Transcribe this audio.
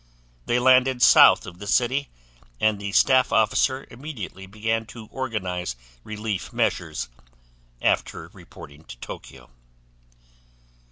They landed south of the city, and the staff officer immediately began to organize relief measures, after reporting to Tokyo.